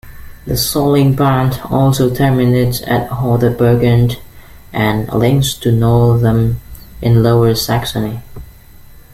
The Sollingbahn also terminates at Ottbergen, and links to Northeim in Lower Saxony.